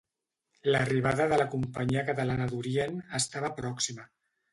L'arribada de la Companyia Catalana d'Orient estava pròxima.